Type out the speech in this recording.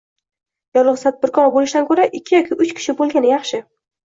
Yolgʻiz tadbirkor boʻlishdan koʻra, ikki yoki uch kishi boʻlgani yaxshi.